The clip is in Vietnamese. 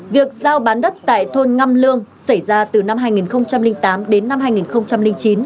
việc giao bán đất tại thôn ngâm lương xảy ra từ năm hai nghìn tám đến năm hai nghìn chín